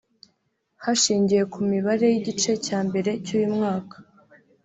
hashingiwe ku mibare y’igice cya mbere cy’uyu mwaka